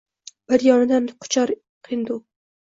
Bir yonidan quchar hindu